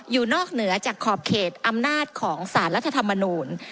อยู่นอกเหนือจากขอบเขตอำนาจของสารรัฐธรรมนูล